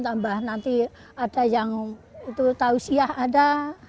tambah nanti ada yang itu tahu siah ada